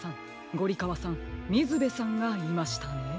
ゴリかわさんみずべさんがいましたね。